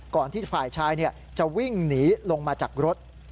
ที่ฝ่ายชายจะวิ่งหนีลงมาจากรถ